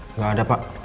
tidak ada pak